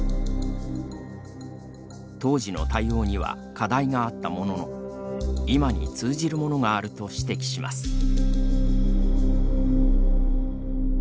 当時の対応には課題があったものの今に通じるものがあると指摘します。